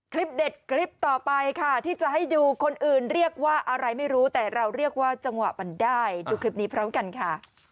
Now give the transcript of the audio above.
คลิปเด็ดคลิปต่อไปค่ะที่จะให้ดูคนอื่นเรียกว่าอะไรไม่รู้แต่เราเรียกว่าจังหวะมันได้ดูคลิปนี้พร้อมกันค่ะ